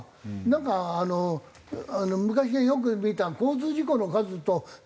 なんかあの昔よく見た交通事故の数と。